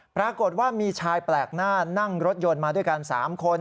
ปรากฏว่ามีชายแปลกหน้านั่งรถยนต์มาด้วยกัน๓คน